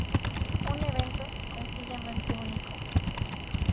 Un evento, sencillamente, único.